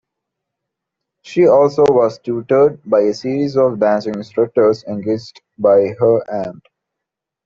She also was tutored by a series of dancing instructors engaged by her aunt.